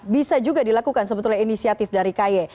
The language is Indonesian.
bisa juga dilakukan sebetulnya inisiatif dari kaye